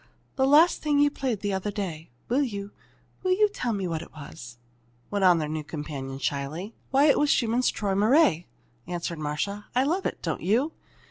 "That last thing you played the other day will you will you tell me what it was?" went on their new companion, shyly. "Why, that was Schumann's 'Träumerei,'" answered Marcia. "I love it, don't you?"